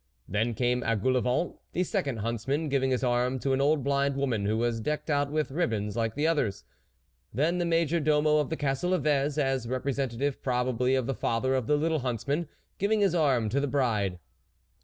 Then came Engoule vent, the second huntsman, giving his arm to an old blind woman, who was decked out with ribands like the others ; then the major domo of the Castle of Vez, as representative probably of the father of the little huntsman, giving his arm to the bride.